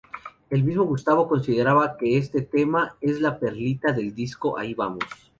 El mismo Gustavo consideraba que este tema es la "perlita" del disco "Ahí vamos".